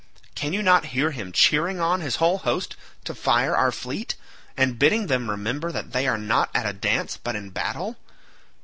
Can you not hear him cheering on his whole host to fire our fleet, and bidding them remember that they are not at a dance but in battle?